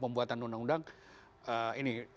pembuatan undang undang ini